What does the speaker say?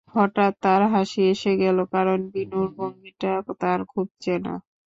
হঠাৎ তার হাসি এসে গেল, কারণ বিনূর ভঙ্গিটা তার খুব চেনা।